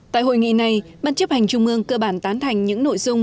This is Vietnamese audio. tại hội nghị này ban chấp hành trung ương cơ bản tán thành những nội dung